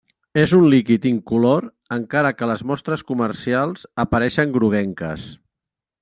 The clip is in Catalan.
És un líquid incolor, encara que les mostres comercials apareixen groguenques.